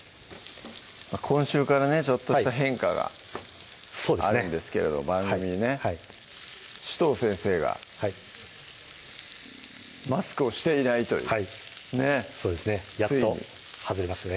今週からねちょっとした変化があるんですけれど番組にね紫藤先生がはいマスクをしていないというはいねっそうですねやっと外れましたね